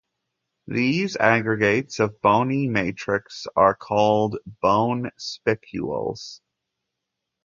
These aggregates of bony matrix are called bone spicules.